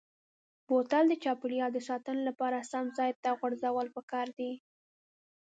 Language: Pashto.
بوتل د چاپیریال د ساتنې لپاره سم ځای ته غورځول پکار دي.